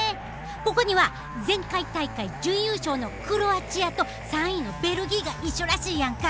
ここには前回大会準優勝のクロアチアと３位のベルギーが一緒らしいやんか。